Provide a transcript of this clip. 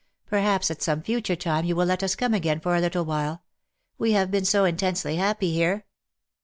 Perhaps at some future time you will let us come again for a little while. We have been so intensely happy here.